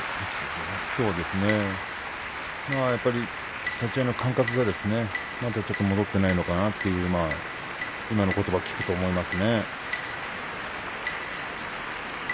そうですね立ち合いの感覚がまだちょっと戻っていないのかなと今のことばを聞くと思いますね。